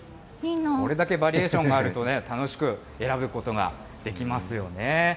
これだけバリエーションがあるとね、楽しく選ぶことができますよね。